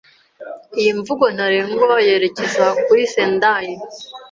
Iyi mvugo ntarengwa yerekeza kuri Sendai.